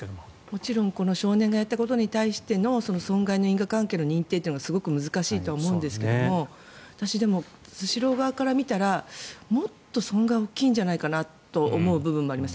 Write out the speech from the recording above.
もちろん少年がやったことに対しての損害の因果関係の認定はすごく難しいと思うんですが私、でも、スシロー側から見たらもっと損害は大きいんじゃないかなと思う部分はあります。